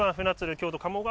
京都鴨川